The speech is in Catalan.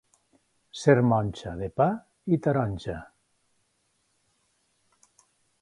Ser monja de pa i taronja.